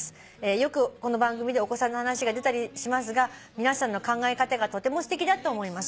「よくこの番組でお子さんの話が出たりしますが皆さんの考え方がとてもすてきだと思います」